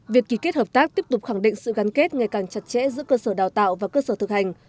việc ký kết hợp tác tiếp tục khẳng định sự gắn kết ngày càng chặt chẽ giữa cơ sở đào tạo và cơ sở thực hành